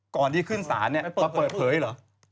ก่อนที่ขึ้นศาลเนี่ยมาเปิดเผยเหรอ